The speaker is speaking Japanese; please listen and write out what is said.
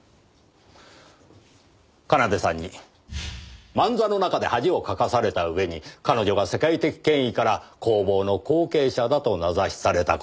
奏さんに満座の中で恥をかかされた上に彼女が世界的権威から工房の後継者だと名指しされた事。